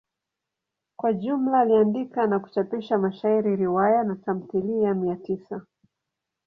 Kwa jumla aliandika na kuchapisha mashairi, riwaya na tamthilia mia tisa.